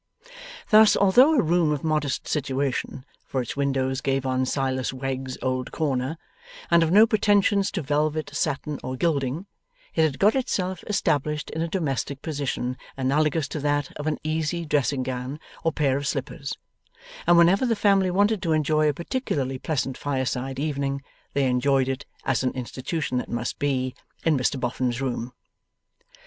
Thus, although a room of modest situation for its windows gave on Silas Wegg's old corner and of no pretensions to velvet, satin, or gilding, it had got itself established in a domestic position analogous to that of an easy dressing gown or pair of slippers; and whenever the family wanted to enjoy a particularly pleasant fireside evening, they enjoyed it, as an institution that must be, in Mr Boffin's room.